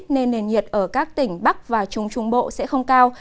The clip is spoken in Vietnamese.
nên nền nhiệt ở các tỉnh bắc và trung trung bộ sẽ không cao